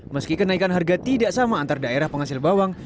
meski kenaikan harga tidak sama antar daerah penghasil bawang